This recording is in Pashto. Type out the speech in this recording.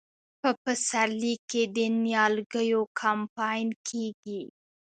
په پسرلي کې د نیالګیو کمپاین کیږي.